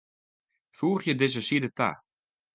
Foegje dizze side ta.